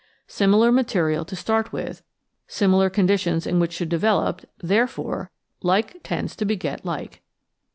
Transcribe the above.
Similar material to start with; similar conditions in which to develop ; therefore like tends to beget like.